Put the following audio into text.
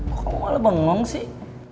kok kamu malah bengong sih